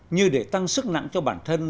như để tăng sức nặng cho bản thân